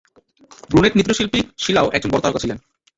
Brunette নৃত্যশিল্পী, শিলাও একজন বড় তারকা ছিলেন।